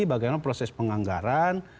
bagaimana proses penganggaran